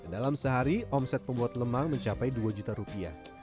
dalam sehari omset pembuat lemang mencapai dua juta rupiah